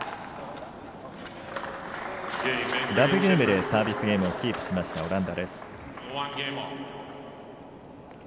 ラブゲームでサービスキープしましたオランダ。